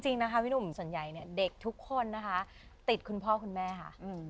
จริงนะคะพี่หนุ่มส่วนใหญ่เนี่ยเด็กทุกคนนะคะติดคุณพ่อคุณแม่ค่ะ